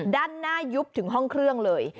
ด้านหน้ายุบถึงห้องเครื่องเลย